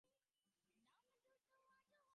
ছেলেটিকে তিনি সহ্যও করতে পারেন না।